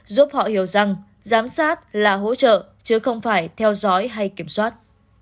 giúp họ hiểu rằng giám sát là hỗ trợ chứ không phải theo dõi hay kiểm soát